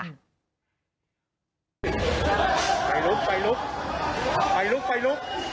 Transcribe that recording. ไฟลุกไฟลุก